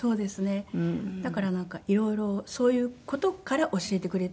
だから色々そういう事から教えてくれて。